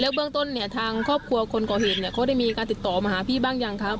เบื้องต้นเนี่ยทางครอบครัวคนก่อเหตุเนี่ยเขาได้มีการติดต่อมาหาพี่บ้างยังครับ